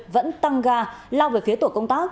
vẫn tăng ga lao về phía tổ công tác